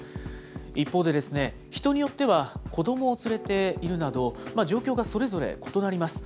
一方で、人によっては、子どもを連れているなど、状況がそれぞれ異なります。